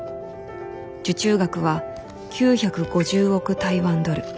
受注額は９５０億台湾ドル。